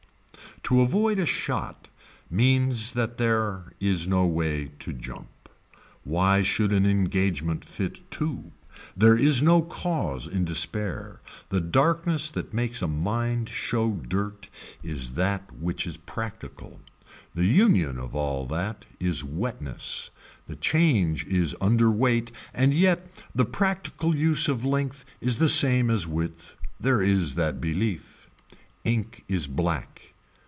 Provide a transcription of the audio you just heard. To avoid a shot means that there is no way to jump. Why should an engagement fit two. There is no cause in despair. The darkness that makes a mind show dirt is that which is practical. The union of all that is wetness, the change is underweight and yet the practical use of length is the same as width. There is that belief. Ink is black.